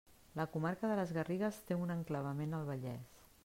La comarca de les Garrigues té un enclavament al Vallès.